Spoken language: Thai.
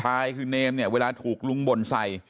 ไปรับศพของเนมมาตั้งบำเพ็ญกุศลที่วัดสิงคูยางอเภอโคกสำโรงนะครับ